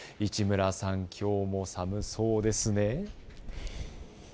市村さん、きょうも寒そうですね。